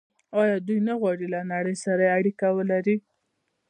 آیا دوی نه غواړي له نړۍ سره اړیکه ولري؟